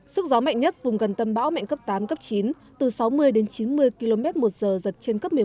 sức gió mạnh nhất vùng gần tâm bão mạnh cấp tám cấp chín từ sáu mươi đến chín mươi km một giờ giật trên cấp một mươi một